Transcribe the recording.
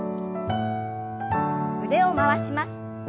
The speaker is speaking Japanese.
腕を回します。